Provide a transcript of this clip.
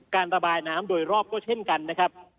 การระบายน้ำโดยรอบก็เช่นกันนะครับ